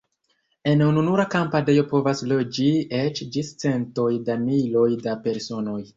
En ununura kampadejo povas loĝi eĉ ĝis centoj da miloj da personoj.